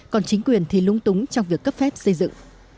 còn chính quyền thì lúng túng trong việc cấp phép xây dựng